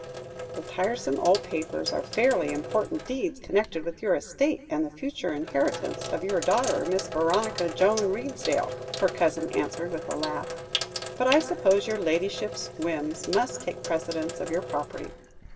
"The tiresome old papers are fairly important deeds connected with your estate, and the future inheritance of your daughter, Miss Veronica Joan Redesdale," her cousin answered with a laugh; "but I suppose your ladyship's whims must take precedence of your property.